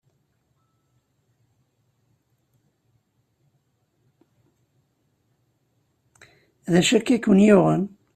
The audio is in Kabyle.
D acu akka i ken-yuɣen?